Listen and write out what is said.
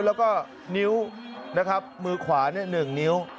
แล้วก็นิ้วมือขวา๑นิ้ว